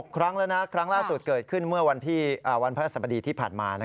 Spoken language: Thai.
ครั้งแล้วนะครั้งล่าสุดเกิดขึ้นเมื่อวันพระสบดีที่ผ่านมา